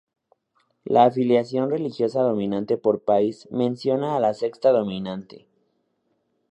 La afiliación religiosa dominante por país menciona a la secta dominante.